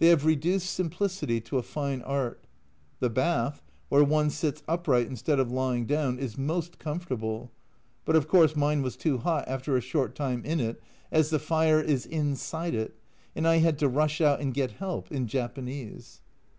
They have reduced simplicity to a fine art. The bath, where one sits upright instead of lying down, is most comfortable ; but of course mine was too hot after a short time in it, as the fire is inside it, and I had to rush out and get help in Japanese